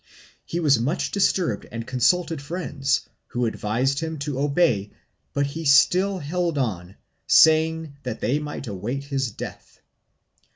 He was much disturbed and consulted friends, who advised him to obey, but he still held on, saying that they might await his death.